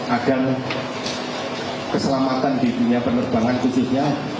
agar keselamatan di dunia penerbangan khususnya